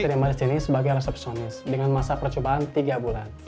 ubet terima resideni sebagai resepsionis dengan masa percobaan tiga bulan